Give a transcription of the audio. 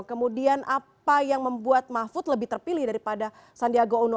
kemudian apa yang membuat mahfud lebih terpilih daripada sandiaga uno